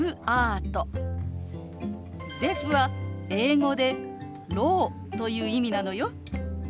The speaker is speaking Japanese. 「デフ」は英語で「ろう」という意味なのよ。